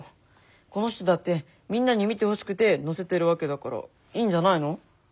この人だってみんなに見てほしくて載せてるわけだからいいんじゃないの？